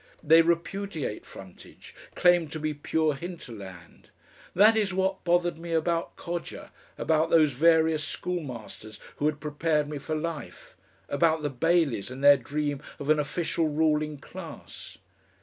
They repudiate frontage; claim to be pure hinterland. That is what bothered me about Codger, about those various schoolmasters who had prepared me for life, about the Baileys and their dream of an official ruling class.